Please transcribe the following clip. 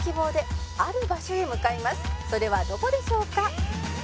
「それはどこでしょうか？」